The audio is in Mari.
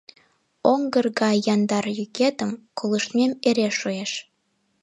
Оҥгыр гай яндар йӱкетым колыштмем эре шуэш.